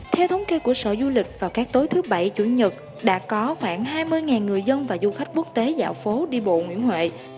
theo thống kê của sở du lịch vào các tối thứ bảy chủ nhật đã có khoảng hai mươi người dân và du khách quốc tế dạo phố đi bộ nguyễn huệ